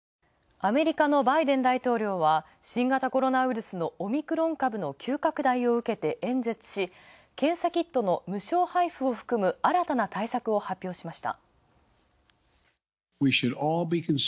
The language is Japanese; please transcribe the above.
アメリカのバイデン大統領は新型コロナウイルスのオミクロン株の急拡大を受けて演説し、検査キットの無償配布を含む新たな対策を発表しました。